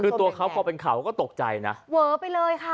คือตัวเขาพอเป็นข่าวเขาก็ตกใจนะเวอไปเลยค่ะ